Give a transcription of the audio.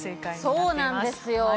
そうなんですよ。